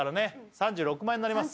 ３６万円になります